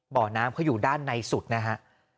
บ่อน้ำเขาอยู่ด้านในสุดนะฮะ